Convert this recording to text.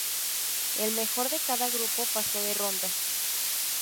El mejor de cada grupo pasó de ronda.